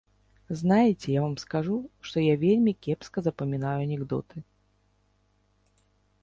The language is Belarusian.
Знаеце, я вам скажу, што я вельмі кепска запамінаю анекдоты.